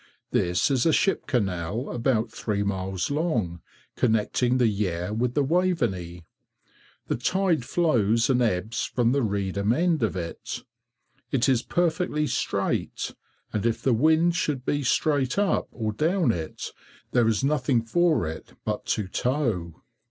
This is a ship canal, about three miles long, connecting the Yare with the Waveney. The tide flows and ebbs from the Reedham end of it. It is perfectly straight, and if the wind should be straight up or down it, there is nothing for it but to tow.